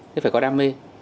thế phải có đam mê